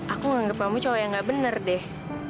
aku menganggap kamu cowok yang gak bener deh